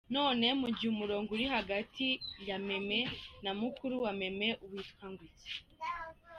none mugihe umurongo uri hagati yameme na mukuru wameme witwa ngwiki?..